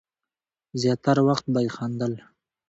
زیاتره وخت به یې خندل.